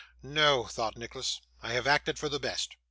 'No,' thought Nicholas, 'I have acted for the best.